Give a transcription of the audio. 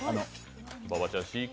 馬場ちゃん